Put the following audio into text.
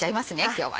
今日は。